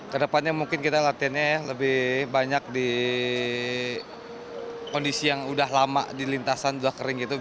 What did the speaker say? ke depannya mungkin kita latihannya lebih banyak di kondisi yang sudah lama di lintasan sudah kering gitu